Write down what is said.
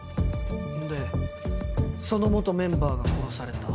でその元メンバーが殺された。